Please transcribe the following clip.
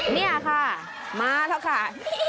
นี่ค่ะมาแล้วค่ะ